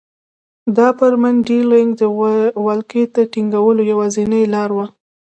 دا پر منډلینډ د ولکې ټینګولو یوازینۍ لاره وه.